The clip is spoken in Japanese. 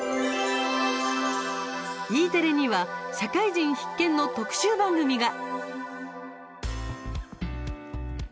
Ｅテレには社会人必見の特集番組が。